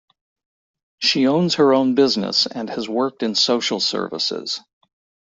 She owns her own business and has worked in social services.